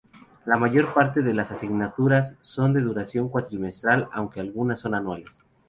La mayor parte de las asignaturas son de duración cuatrimestral, aunque algunas son anuales.